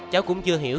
cháu cũng chưa hiểu